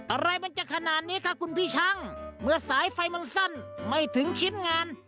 อะไรมันจะขนาดนี้คะคุณพี่ช่างเมื่อสายไฟมันสั้นไม่ถึงชิ้นงาน